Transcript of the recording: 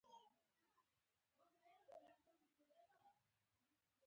که چېرې تاسې خپل احساسات مدیریت نه کړئ